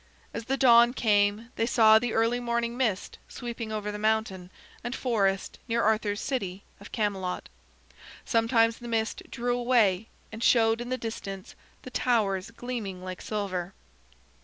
As the dawn came, they saw the early morning mist sweeping over the mountain and forest near Arthur's city of Camelot. Sometimes the mist drew away and showed in the distance the towers gleaming like silver.